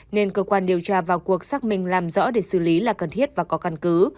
nên cơ quan điều tra vào cuộc xác minh làm rõ để xử lý là cần thiết và có căn cứ